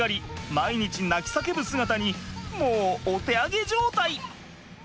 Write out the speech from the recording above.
毎日泣き叫ぶ姿にもうお手上げ状態！